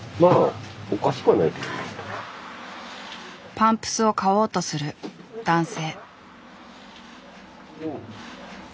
パンプスを買おうとする男性。